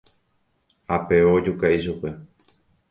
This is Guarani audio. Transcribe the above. Ha péva ojuka ichupe.